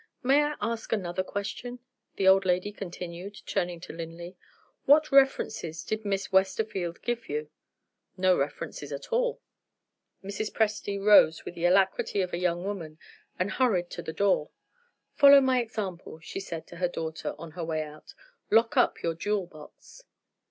May I ask another question?" the old lady continued, turning to Linley. "What references did Miss Westerfield give you?" "No references at all." Mrs. Presty rose with the alacrity of a young woman, and hurried to the door. "Follow my example," she said to her daughter, on her way out. "Lock up your jewel box."